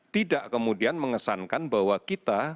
tidak kemudian mengesankan bahwa kita